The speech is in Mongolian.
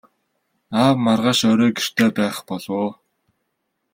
Аав маргааш орой гэртээ байх болов уу?